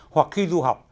hoặc khi du học